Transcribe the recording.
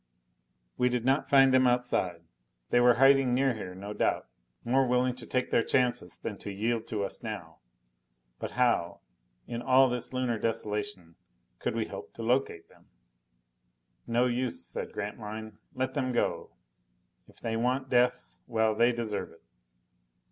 We did not find them outside. They were hiding near here, no doubt, more willing to take their chances than to yield to us now. But how, in all this Lunar desolation, could we hope to locate them? "No use," said Grantline. "Let them go. If they want death, well, they deserve it."